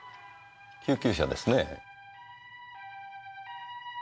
救急車ですねぇ。